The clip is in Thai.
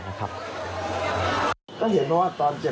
เพราะกลัวมันจะเปื้องพร้อมทั้งมีการถอดเสื้อสีขาวออก